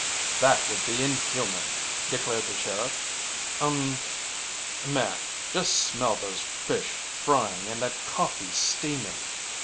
"That would be inhuman," declared the sheriff. "Um, man, just smell those fish frying and that coffee steaming."